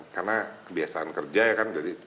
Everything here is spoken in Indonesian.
karena kebiasaan kerja ya kan jadi